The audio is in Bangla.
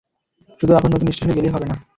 শুধু আপনার নতুন স্টেশনে গেলেই হবে না।